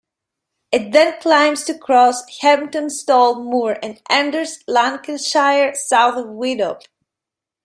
It then climbs to cross Heptonstall Moor and enters Lancashire south of Widdop.